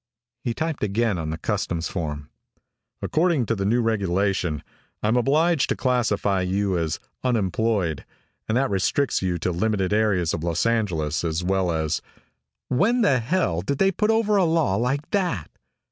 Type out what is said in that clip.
He typed again on the customs form. "According to a new regulation, I'm obliged to classify you as unemployed, and that restricts you to limited areas of Los Angeles as well as " "When the hell did they put over a law like that?"